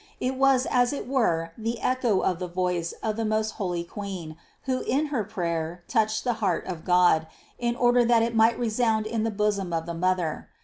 It was as it were the echo of the voice of the most holy Queen, who in her prayer touched the heart of God, in order that it might resound in the bosom of the mother.